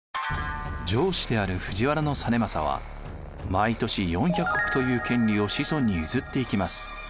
上司である藤原実政は毎年４００石という権利を子孫に譲っていきます。